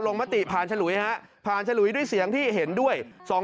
มติผ่านฉลุยฮะผ่านฉลุยด้วยเสียงที่เห็นด้วย